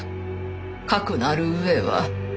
かくなる上は。